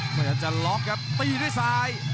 พยายามจะล็อกครับตีด้วยซ้าย